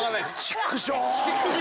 チックショー！